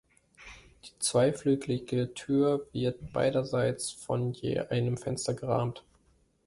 Die zweiflügelige Tür wird beiderseits von je einem Fenster gerahmt.